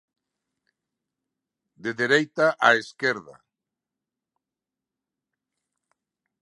De dereita a esquerda.